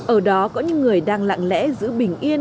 ở đó có những người đang lặng lẽ giữ bình yên